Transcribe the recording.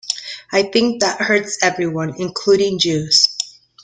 I think that hurts everyone, including Jews.